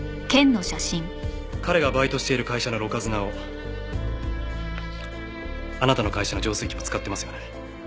彼がバイトしている会社のろ過砂をあなたの会社の浄水器も使ってますよね？